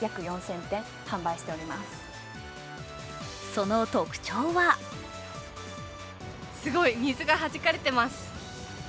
その特徴はすごい水がはじかれています。